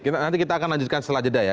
nanti kita akan lanjutkan setelah jeda ya